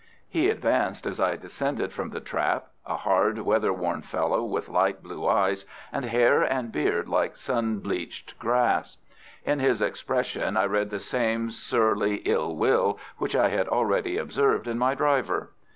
He advanced as I descended from the trap, a hard, weather worn fellow with light blue eyes, and hair and beard like sun bleached grass. In his expression I read the same surly ill will which I had already observed in my driver.